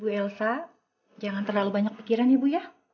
bu elsa jangan terlalu banyak pikiran ya bu ya